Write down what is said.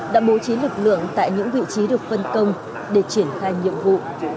đã bố trí lực lượng tại những vị trí được phân công để triển khai nhiệm vụ